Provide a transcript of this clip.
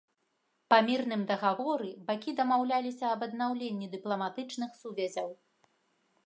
Па мірным дагаворы бакі дамаўляліся аб аднаўленні дыпламатычных сувязяў.